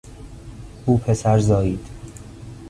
او پسر زایید.